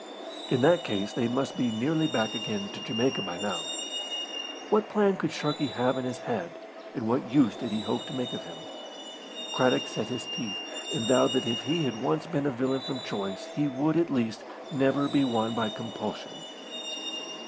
In that case they must be nearly back again to Jamaica by now. What plan could Sharkey have in his head, and what use did he hope to make of him? Craddock set his teeth, and vowed that if he had once been a villain from choice he would, at least, never be one by compulsion.